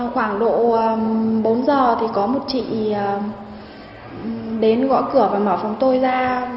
khoảng độ bốn giờ thì có một chị đến gõ cửa và mở phòng tôi ra